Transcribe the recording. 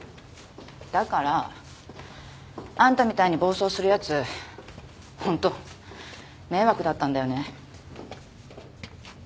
だからあんたみたいに暴走するやつホント迷惑だったんだよね。